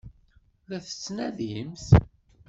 La t-tettnadimt?